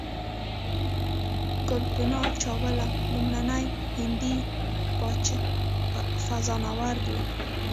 کلپنا چاوله لومړنۍ هندۍ فضانورده وه.